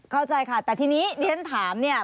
เข้าใจค่ะแต่ทีนี้ที่ฉันถามเนี่ย